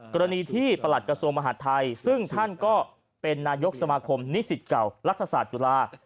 กรณีที่ประหลัดกระทรวงมหาดไทยซึ่งท่านก็เป็นนายกสมาคมนิสิตเก่ารัฐศาสตร์จุฬา